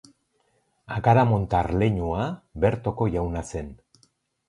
Agaramontar leinua bertoko jauna zen.